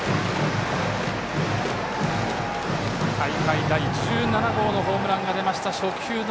大会第１７号のホームランが出ました。